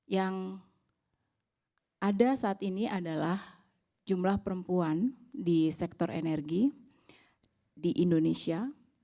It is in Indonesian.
yang ada saat ini adalah jumlah perempuan di sektor energi di indonesia